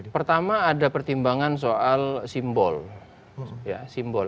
pertama ada pertimbangan soal simbol